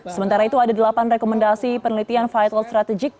sementara itu ada delapan rekomendasi penelitian vital strategic